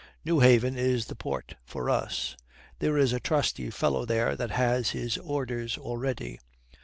Newhaven is the port for us. There is a trusty fellow there has his orders already.